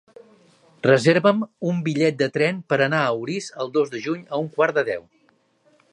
Reserva'm un bitllet de tren per anar a Orís el dos de juny a un quart de deu.